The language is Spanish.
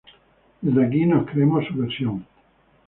Desde aquí nos creemos su versión.